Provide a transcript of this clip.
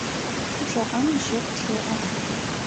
Бжыхьэм жьыр чъыӏэ.